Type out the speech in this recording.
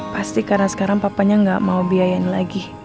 pasti karena sekarang papanya nggak mau biayain lagi